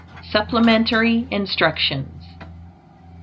SUPPLEMENTARY INSTRUCTIONS.